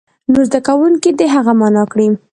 نور زده کوونکي دې هغه معنا کړي.